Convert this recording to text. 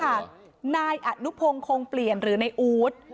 นี่ค่ะนายอัดนุพงคงเปลี่ยนหรือในอูต